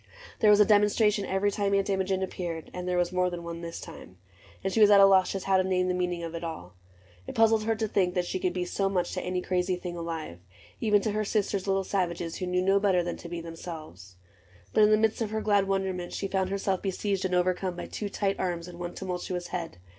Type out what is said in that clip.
There was a demonstration every time Aunt Imogen appeared, and there was more AUNT IMOGEN 109 Than one this time. And she was at a loss Just how to name the meaning of it all : It puzzled her to think that she could be So much to any crazy things alive — Even to her sister's little savages Who knew no better than to be themselves ; But in the midst of her glad wonderment She found herself besieged «nd overcome By two tight arms and one tumultuous head.